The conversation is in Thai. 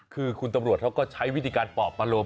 คือคุณตำรวจเขาก็ใช้วิธีการปอบอารมณ์